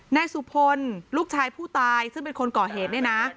นายสุพลลูกชายผู้ตายซึ่งเป็นคนก่อเหตุเนี่ยนะ